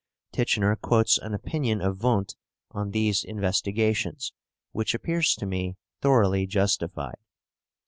Titchener quotes an opinion of Wundt on these investigations, which appears to me thoroughly justified.